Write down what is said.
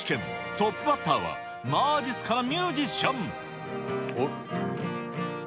トップバッターは、まじっすかなミュージシャン。